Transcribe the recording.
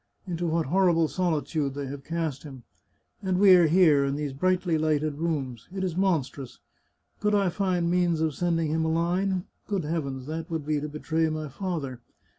Into what horrible solitude they have cast him ! And we are here, in these brightly lighted rooms. It is monstrous ! Could I find means of sending him a line ? Good heavens! That would be to betray my father.